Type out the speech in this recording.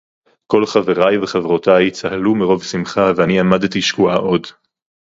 כָּל חֲבֵרַי וְחַבְרוּתִי צָהֲלוּ מֵרוֹב שִׂמְחָה וַאֲנִי עָמַדְתִּי שְׁקוּעָה עוֹד.